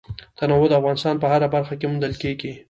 تنوع د افغانستان په هره برخه کې موندل کېږي.